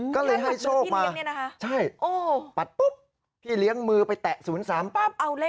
ก็เลยให้โชคมาปัดปุ๊บพี่เลี้ยงมือไปแตะ๐๓ปั๊บ